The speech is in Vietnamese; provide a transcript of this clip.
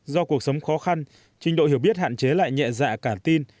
do cuộc sống khó khăn trình độ hiểu biết hạn chế lại nhẹ dạ cả tin